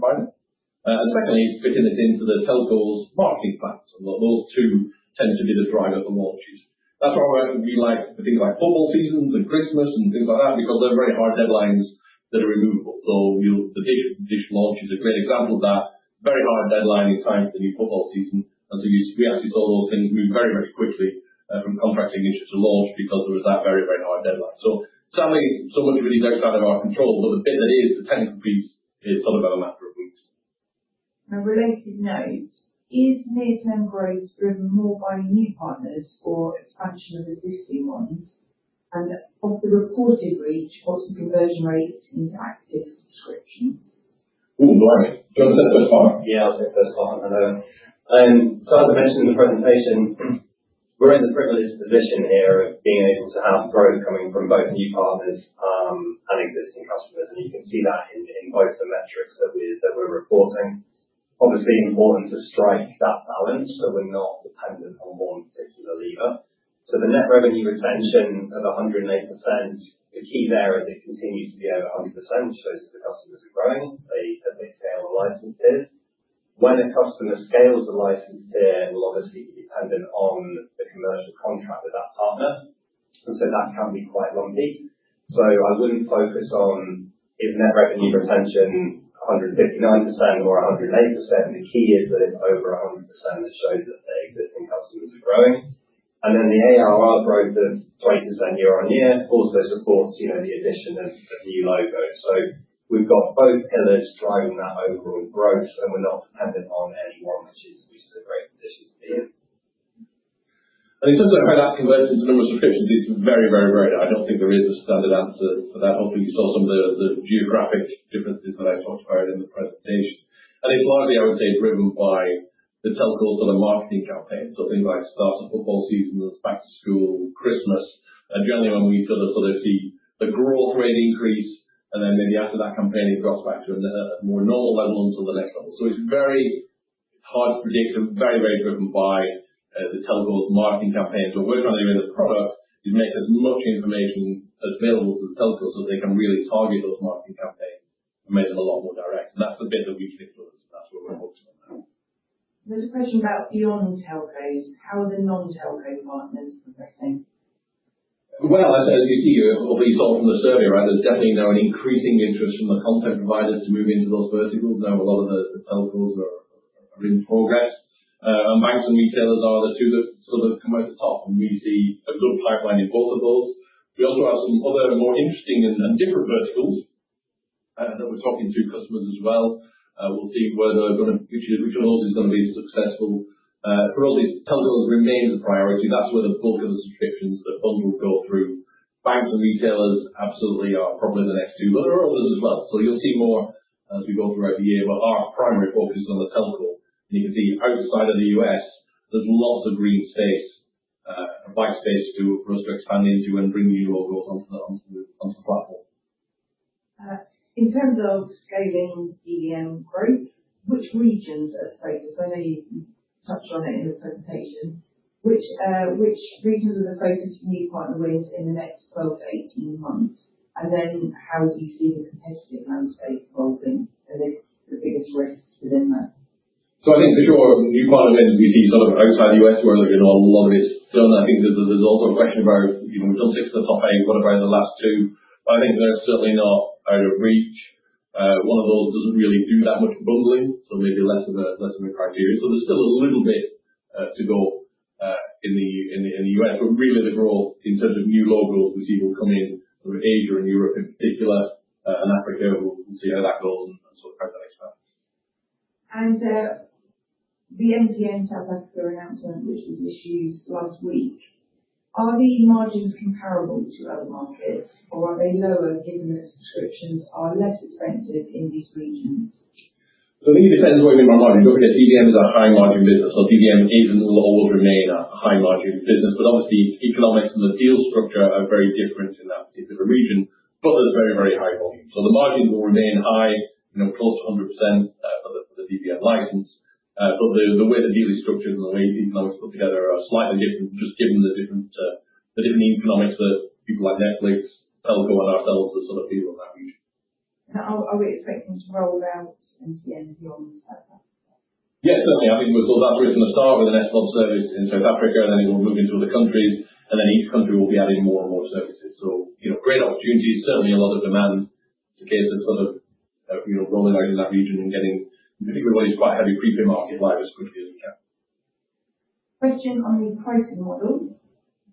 S2: provider. Secondly, it's fitting it into the telco's marketing plans. Those two tend to be the driver for launches. That's why we like the things like football seasons and Christmas and things like that, because they're very hard deadlines that are immovable. The DISH launch is a great example of that. Very hard deadline in time for the new football season. We actually saw those things move very quickly from contracting issues to launch because there was that very hard deadline. Sadly, so much of it is outside of our control. The bit that is the technical piece is sort of about a matter of weeks.
S4: On a related note, is near-term growth driven more by new partners or expansion of existing ones? Of the reported reach, what's the conversion rate into active subscriptions?
S2: Blimey. Do you want to take first time?
S3: Yeah, I'll take first time. Hello. As I mentioned in the presentation, we're in the privileged position here of being able to have growth coming from both new partners and existing customers, and you can see that in both the metrics that we're reporting. Obviously, important to strike that balance so we're not dependent on one particular lever. The Net Revenue Retention of 108%, the key there is it continues to be over 100%, shows that the customers are growing as they scale the licenses. When a customer scales the license tier will obviously be dependent on the commercial contract with that partner, and that can be quite lumpy. I wouldn't focus on if Net Revenue Retention 159% or 108%, the key is that it's over 100%, that shows that the existing customers are growing. The ARR growth of 20% year-on-year also supports the addition of new logos. We've got both pillars driving that overall growth, and we're not dependent on any one, which is a great position to be in.
S2: In terms of how that converts into the number of subscriptions, it's very rare, and I don't think there is a standard answer for that. Hopefully, you saw some of the geographic differences that I talked about in the presentation. It's largely, I would say, driven by the telcos sort of marketing campaigns. Things like start of football season, or back to school, Christmas. Generally when we sort of see the growth rate increase, and then maybe after that campaign, it drops back to a more normal level until the next level. It's very hard to predict and very driven by the telco's marketing campaign. We're trying to give them the product that makes as much information available to the telcos so they can really target those marketing campaigns and make them a lot more direct, and that's the bit that we can influence, and that's what we're focused on now.
S4: There's a question about beyond telcos. How are the non-telco partners progressing?
S2: Well, as you see, or at least you saw from the survey round, there's definitely now an increasing interest from the content providers to move into those verticals. A lot of the telcos are in progress. Banks and retailers are the two that sort of come out the top. We see a good pipeline in both of those. We also have some other more interesting and different verticals that we're talking to customers as well. We'll see which of those is going to be successful. For us, it's telcos remain the priority. That's where the bulk of the subscriptions, the volume will go through. Banks and retailers absolutely are probably the next two, but there are others as well. You'll see more as we go throughout the year, but our primary focus is on the telco. You can see outside of the U.S., there's lots of green space, and white space for us to expand into and bring new logos onto the platform.
S4: In terms of scaling DVM growth, which regions are the focus? I know you touched on it in the presentation. Which regions are the focus for new partner wins in the next 12 to 18 months? How do you see the competitive landscape evolving and the biggest risks within that?
S2: I think for sure, new partner wins we see sort of outside the U.S. where there is a lot of it still. I think there's also a question about we tick the top eight, what about the last two? I think they're certainly not out of reach. One of those doesn't really do that much bundling, so maybe less of a criteria. There's still a little bit to go in the U.S., but really the growth in terms of new logos we see will come in Asia and Europe in particular, and Africa. We'll see how that goes and sort of drive that expansion.
S4: The MTN South Africa announcement, which was issued last week, are the margins comparable to other markets or are they lower given that subscriptions are less expensive in these regions?
S2: I think it depends what you mean by margin. DVM is a high margin business, or DVM Asia will always remain a high margin business, but obviously economics and the deal structure are very different in that particular region, but there's very high volume. The margins will remain high, close to 100% the DVM license. The way they're usually structured and the way deals are put together are slightly different, just given the different economics that people like Netflix, telco, and ourselves sort of feel about region.
S4: Are we expecting to roll out into the end beyond South Africa?
S2: Yes, certainly. We thought that we're going to start with an SVOD service in South Africa, then it will move into other countries, then each country will be adding more and more services. Great opportunities, certainly a lot of demand to get some sort of rolling out in that region and getting, particularly when it's quite heavy pre-pay market, live as quickly as we can.
S4: Question on the pricing model.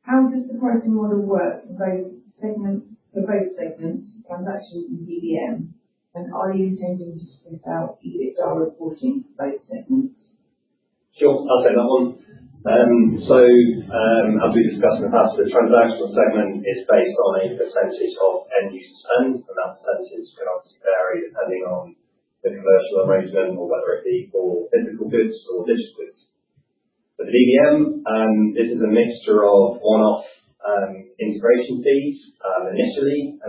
S4: How does the pricing model work for both segments, transactional and DVM? Are you intending to split out EBITDA reporting for both segments?
S3: Sure. I'll take that one. As we discussed in the past, the transactional segment is based on a percentage of end user spend, that percentage can obviously vary depending on the commercial arrangement or whether it be for physical goods or digital goods. For DVM, this is a mixture of one-off integration fees initially,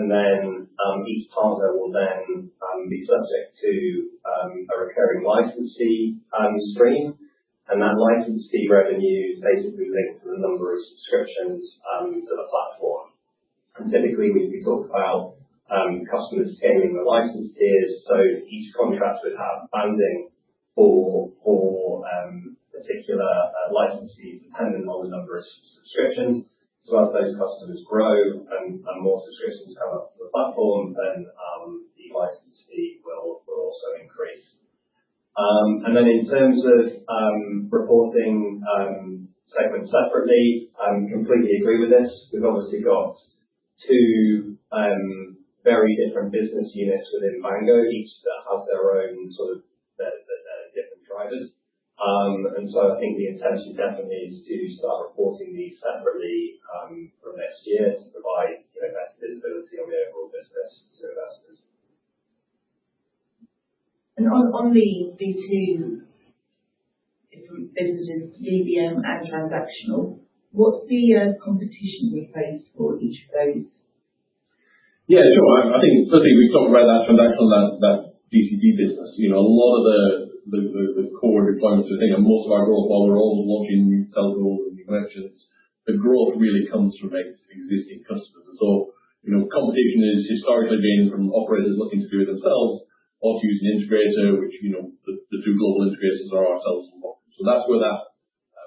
S3: each partner will then be subject to a recurring license fee stream, that license fee revenue is basically linked to the number of subscriptions to the platform. Typically, we talk about customers scaling the license tiers, each contract would have banding for particular license fees, depending on the number of subscriptions. As those customers grow and more subscriptions come up to the platform, then the license fee will also increase. Then in terms of reporting segments separately, completely agree with this. We've obviously got two very different business units within Bango, each that have their own different drivers. I think the intention definitely is to start reporting these separately from next year to provide better visibility on the overall business to investors.
S4: On these two different businesses, DVM and transactional, what's the competition you face for each of those?
S2: Yeah, sure. I think certainly we've talked about that transactional, that B2C business. A lot of the core deployments, we think most of our growth, while we're all logging new telcos and new connections, the growth really comes from existing customers. Competition has historically been from operators looking to do it themselves or to use an integrator, which the two global integrators are ourselves and Boku. That's where that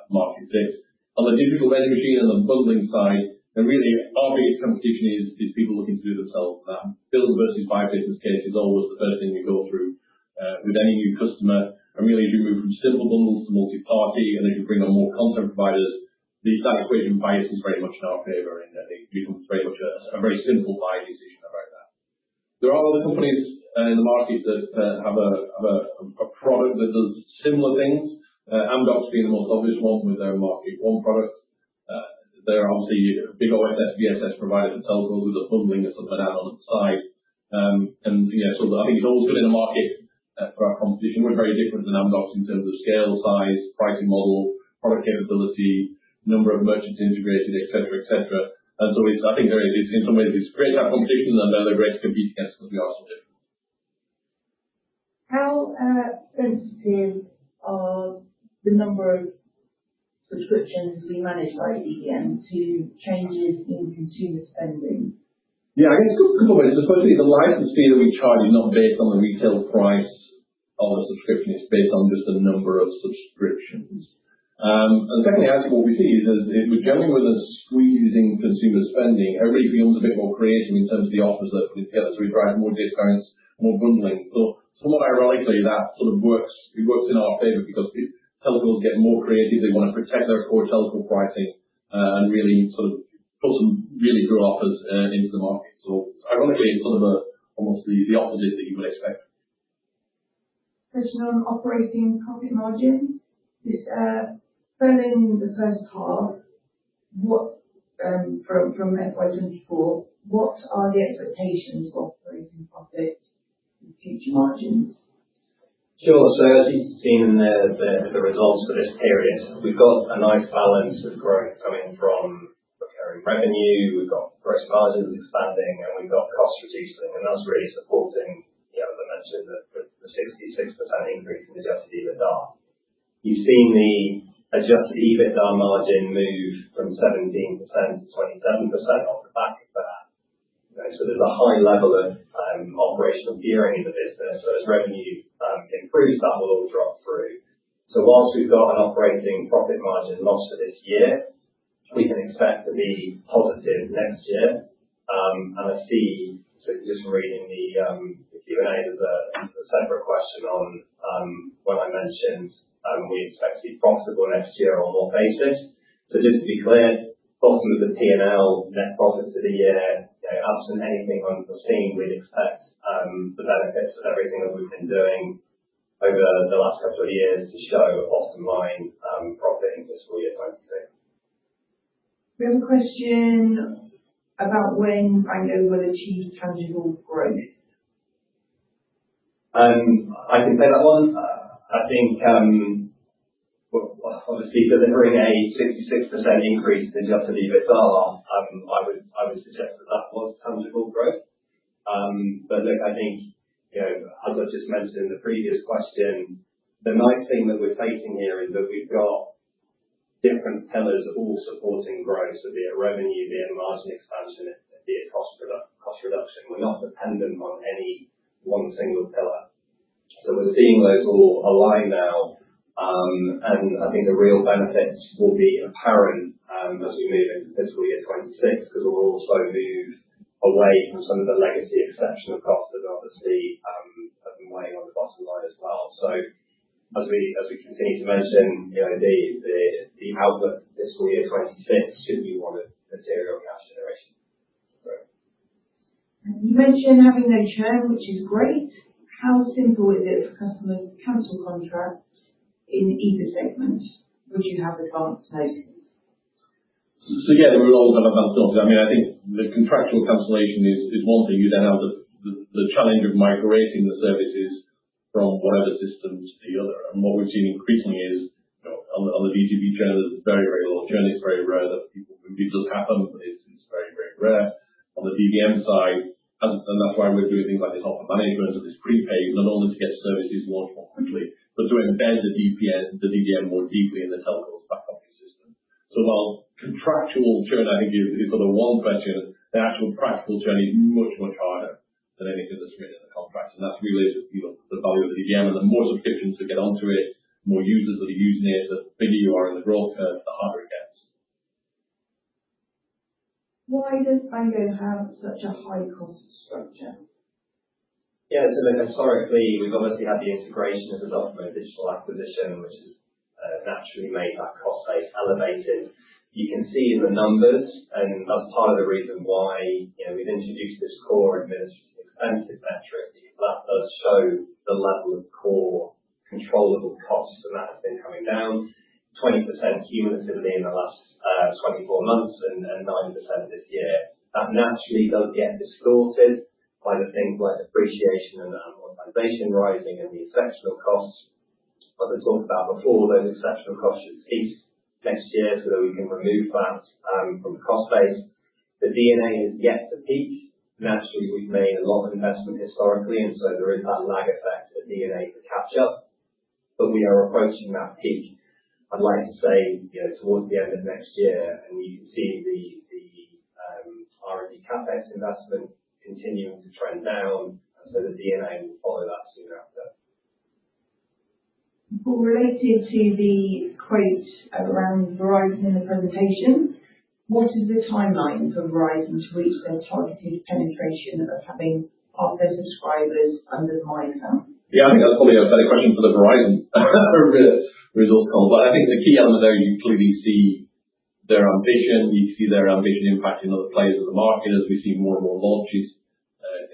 S2: market sits. On the Digital Vending Machine and the bundling side, really our biggest competition is people looking to do it themselves. Build versus buy business case is always the first thing we go through with any new customer. Really, as you move from simple bundles to multi-party, as you bring on more content providers, that equation biases very much in our favor, and I think becomes very much a very simple buy decision around that. There are other companies in the market that have a product that does similar things. Amdocs being the most obvious one with their MarketONE product. They're obviously big OSS/BSS providers and telcos with a bundling of some add-on site. I think it's always good in the market for our competition. We're very different than Amdocs in terms of scale, size, pricing model, product capability, number of merchants integrated, et cetera. I think in some ways it's great to have competition and the rest can be against because we are so different.
S4: How sensitive are the number of subscriptions being managed by DVM to changes in consumer spending?
S2: Yeah, I guess a couple of ways. Firstly, the license fee that we charge is not based on the retail price of a subscription, it's based on just the number of subscriptions. Secondly, I think what we see is generally when there's a squeeze in consumer spending, everybody becomes a bit more creative in terms of the offers that they put together. We drive more data science, more bundling. Somewhat ironically, that sort of works in our favor because telcos get more creative. They want to protect their core telco pricing, and really sort of put some really good offers into the market. Ironically, it's almost the opposite that you would expect.
S4: Question on operating profit margin. Following the first half from FY 2024, what are the expectations of operating profit in future margins?
S3: Sure. As you've seen in the results for this period, we've got a nice balance of growth coming from recurring revenue. We've got gross margins expanding, and we've got costs reducing, and that's really supporting, as I mentioned, the 66% increase in adjusted EBITDA. You've seen the adjusted EBITDA margin move from 17% to 27% off the back of that. There's a high level of operational gearing in the business. As revenue improves, that will all drop through. Whilst we've got an operating profit margin loss for this year, we can expect to be positive next year. I see, just reading the Q&A, there's a separate question on when I mentioned we expect to be profitable next year on all bases. Just to be clear, bottom of the P&L net profit for the year, absent anything unforeseen, we'd expect the benefits of everything that we've been doing over the last couple of years to show bottom line profit in fiscal year 2025.
S4: We have a question about when Bango will achieve tangible growth.
S3: I can take that one. I think Well, obviously delivering a 66% increase in adjusted EBITDA, I would suggest that that was tangible growth. Look, I think, as I just mentioned in the previous question, the nice thing that we're facing here is that we've got different pillars all supporting growth, be it revenue, be it margin expansion, be it cost reduction. We're not dependent on any one single pillar. We're seeing those all align now, and I think the real benefits will be apparent as we move into FY 2026 because we'll also move away from some of the legacy exceptional costs that obviously have been weighing on the bottom line as well. As we continue to mention the output of FY 2026 should be one of material cash generation growth.
S4: You mentioned having no churn, which is great. How simple is it for customers to cancel contracts in either segment? Would you have advanced notice?
S2: Yeah, we would all have advanced notice. I think the contractual cancellation is one thing. You have the challenge of migrating the services from whatever systems to the other. What we've seen increasingly is on the B2B churn, it's very, very low churn. It's very rare that people. It does happen, but it's very, very rare. On the DVM side, and that's why we're doing things like this offer management and this prepaid in order to get services launched more quickly, but to embed the DVM more deeply in the telecoms back office system. While contractual churn, I think, is sort of a one churn, the actual practical churn is much, much harder than anything that's written in the contract. That's really the value of the DVM, the more subscriptions that get onto it, the more users that are using it, the bigger you are in the growth curve, the harder it gets.
S4: Why does Bango have such a high cost structure?
S3: Historically, we've obviously had the integration of the DOCOMO Digital acquisition, which has naturally made that cost base elevated. You can see in the numbers, that's part of the reason why we've introduced this core administrative expenses metric that show the level of core controllable costs, that has been coming down 20% cumulatively in the last 24 months and 9% this year. That naturally does get distorted by the things like depreciation and amortization rising and the exceptional costs. As we talked about before, those exceptional costs should peak next year so that we can remove that from the cost base. The D&A is yet to peak. Naturally, we've made a lot of investment historically, so there is that lag effect of D&A to catch up. We are approaching that peak, I'd like to say, towards the end of next year, you can see the R&D CapEx investment continuing to trend down, the D&A will follow that soon after.
S4: Well, related to the quotes around Verizon in the presentation, what is the timeline for Verizon to reach their targeted penetration of having half their subscribers under the myPlan app?
S2: Yeah, I think that's probably a better question for the Verizon results call. I think the key element there, you clearly see their ambition. You see their ambition impacting other players in the market as we see more and more launches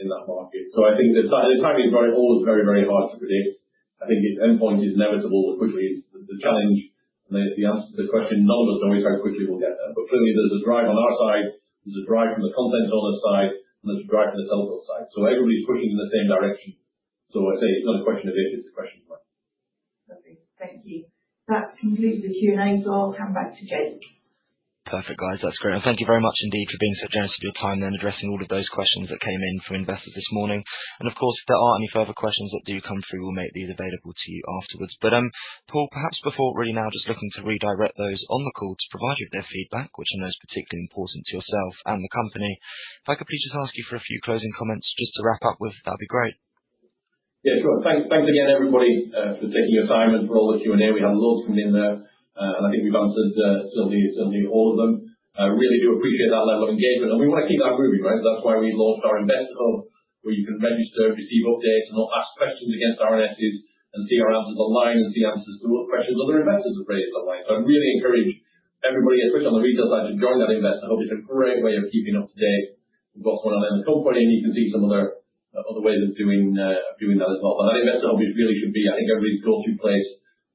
S2: in that market. I think the timing is always very, very hard to predict. I think its endpoint is inevitable, but quickly it's the challenge. If you answer the question, none of us know exactly which it will get there. Clearly, there's a drive on our side, there's a drive from the content owner side, and there's a drive from the telephone side. Everybody's pushing in the same direction. I say it's not a question of if, it's a question of when.
S4: Okay. Thank you. That concludes the Q&A, I'll hand back to Jake.
S1: Perfect, guys. That's great. Thank you very much indeed for being so generous with your time then addressing all of those questions that came in from investors this morning. Of course, if there are any further questions that do come through, we'll make these available to you afterwards. Paul, perhaps before really now just looking to redirect those on the call to provide you with their feedback, which I know is particularly important to yourself and the company, if I could please just ask you for a few closing comments just to wrap up with, that'd be great.
S2: Yeah, sure. Thanks again, everybody, for taking your time and for all the Q&A. We had loads coming in there, and I think we've answered certainly all of them. I really do appreciate that level of engagement, and we want to keep that moving, right? That's why we launched our Invest Hub, where you can register, receive updates, and help ask questions against RFPs and see our answers online and see answers to what questions other investors have raised online. I really encourage everybody, especially on the retail side, to join that Invest Hub. It's a great way of keeping up to date. We've got one at the end of the company, and you can see some other ways of doing that as well. That Invest Hub really should be, I think, everybody's go-to place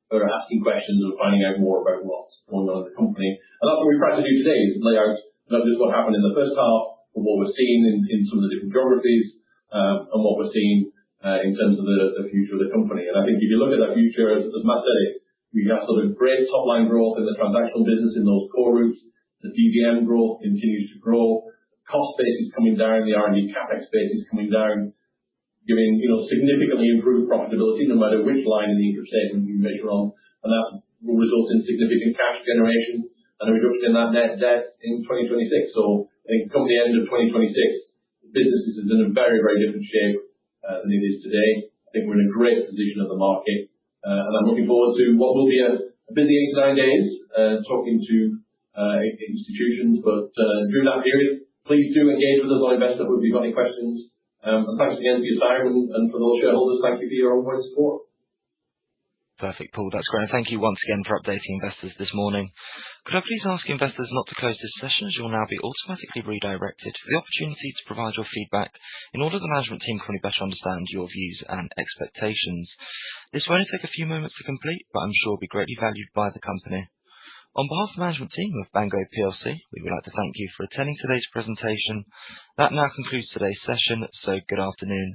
S2: for asking questions or finding out more about what's going on in the company. That's what we've tried to do today, is lay out not just what happened in the first half and what we're seeing in some of the different geographies, and what we're seeing in terms of the future of the company. I think if you look at that future, as Matt said, we have sort of great top-line growth in the transactional business in those core routes. The DVM growth continues to grow. Cost base is coming down, the R&D CapEx base is coming down, giving significantly improved profitability no matter which line in the income statement you measure on. That will result in significant cash generation and a reduction in that net debt in 2026 or, I think, come the end of 2026. The business is in a very, very different shape than it is today. I think we're in a great position in the market, and I'm looking forward to what will be a busy 89 days talking to institutions. During that period, please do engage with us on investment if you've got any questions. Thanks again for your time and for those shareholders, thank you for your ongoing support.
S1: Perfect, Paul. That's great. Thank you once again for updating investors this morning. Could I please ask investors not to close this session, as you'll now be automatically redirected for the opportunity to provide your feedback in order the management team can better understand your views and expectations. This will only take a few moments to complete, but I'm sure will be greatly valued by the company. On behalf of the management team of Bango PLC, we would like to thank you for attending today's presentation. That now concludes today's session, so good afternoon.